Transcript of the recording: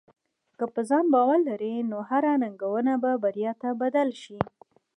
که په ځان باور لرې، نو هره ننګونه به بریا ته بدل شي.